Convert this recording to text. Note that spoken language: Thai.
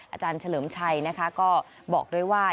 อาจารย์เฉลิมชัยนะคะก็บอกด้วยว่า